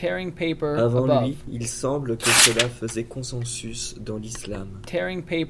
Avant lui, il semble que cela faisait consensus dans l'islam.